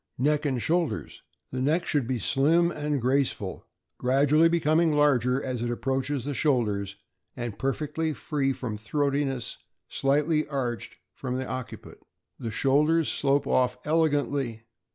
Neck and shoulders. — The neck should be slim and graceful, gradually becoming larger as it approaches the shoulders, and perfectly free from throatiness, slightly arched from the occiput. The shoulders slope off elegantly.